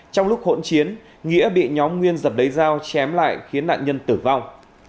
trong lúc hỗn chiến nghĩa bị nhóm nguyên giật lấy dao chém lại khiến nạn nhân tử vong